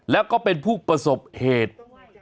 แล้วก็เป็นผู้ประสบเหตุ